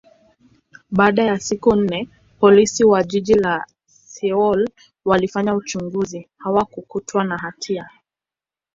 baada ya siku nne, Polisi wa jiji la Seoul walifanya uchunguzi, hakukutwa na hatia.